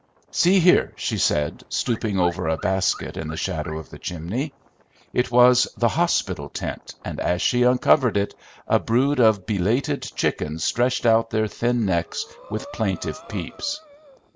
See here," she said, stooping over a basket in the shadow of the chimney. It was the "hospital tent," and as she uncovered it, a brood of belated chickens stretched out their thin necks with plaintive peeps.